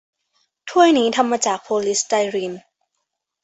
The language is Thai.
ถ้วยนี้ทำมาจากโพลีสไตรีน